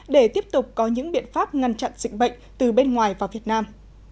để tiếp tục có những biện pháp ngăn chặn dịch bệnh từ bên ngoài vào việt nam